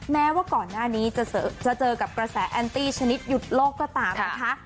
แม้ว่าก่อนหน้านี้จะเจอกับกระแสแอนตี้ชนิดหยุดโลกก็ตามนะคะ